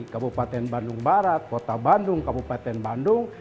kabupaten bandung barat kota bandung kabupaten bandung